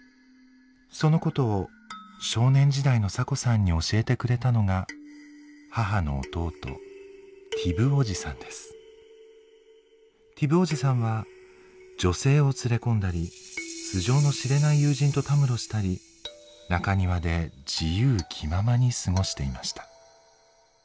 そのことを少年時代のサコさんに教えてくれたのが母の弟ティブおじさんは女性を連れ込んだり素性の知れない友人とたむろしたり中庭で自由気ままに過ごしていました。